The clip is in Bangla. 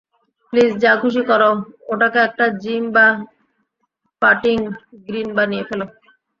প্লিজ, যা খুশী করো, ওখানে একটা জিম বা পাটিং গ্রীন বানিয়ে ফেলো।